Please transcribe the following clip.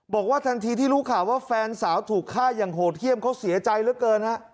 บอกว่าทันทีที่รู้ข่าวว่าแฟนสาวถูกฆ่าอย่างโหดเยี่ยมเขาเสียใจเหลือเกินฮะ